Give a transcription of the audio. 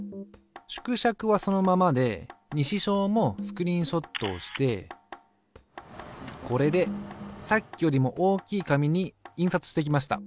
縮尺はそのままで西小もスクリーンショットをしてこれでさっきよりも大きい紙に印刷してきました。